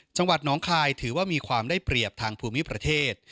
จังหวัดน้องคายถือว่ามีความได้เปรียบทางภูมิประเทศ